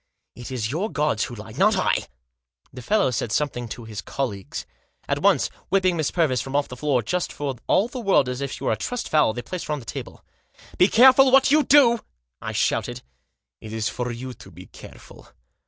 " It is your gods who lie, not I." The fellow said something to his colleagues. At once, whipping Miss Purvis from off the floor, just for all the world as if she were a trussed fowl, they placed her on the table. " Be careful what you do !" I shouted. " It is for you to be careful.